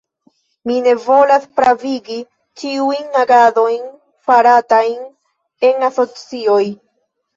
Mi ne volas pravigi ĉiujn agadojn faratajn en asocioj.